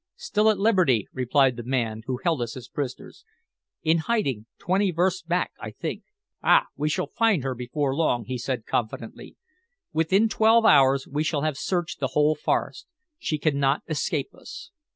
"Still at liberty," replied the man who held us as prisoners. "In hiding twenty versts back, I think." "Ah, we shall find her before long," he said confidently. "Within twelve hours we shall have searched the whole forest. She cannot escape us."